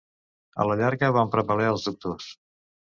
A la llarga van prevaler els doctors.